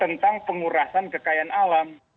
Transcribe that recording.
tentang pengurasan kekayaan alam